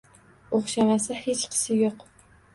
Oʻxshamasa, hech qisi yoʻq.